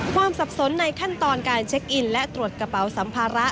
สับสนในขั้นตอนการเช็คอินและตรวจกระเป๋าสัมภาระ